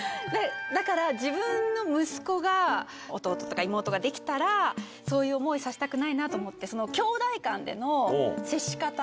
だから自分の息子が弟とか妹ができたらそういう思いさせたくないなと思って。